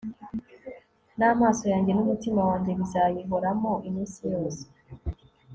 n'amaso yanjye n'umutima wanjye bizayihoramo iminsi yose